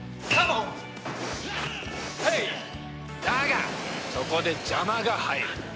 だがそこで邪魔が入る